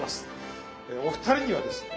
お二人にはですね